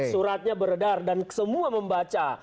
suratnya beredar dan semua membaca